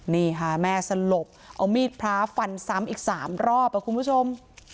นี่ค่ะแม่สลบเอามีดพระฟันซ้ำอีก๓รอบคุณผู้ชม